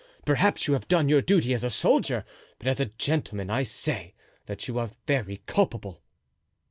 perhaps you have done your duty as a soldier, but as a gentleman, I say that you are very culpable."